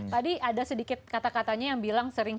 tadi ada sedikit kata katanya yang bilang sering